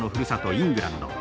イングランド。